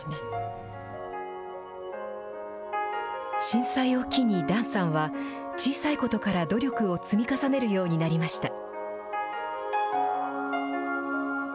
震災を機に檀さんは、小さいことから努力を積み重ねるようになりました。